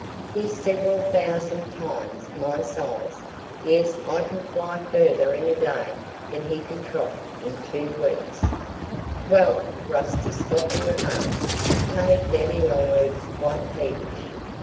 He's several thousand times my size; yet I can fly further in a day than he can trot in two weeks." Well, Rusty's scoffing remarks made Daddy Longlegs quite peevish.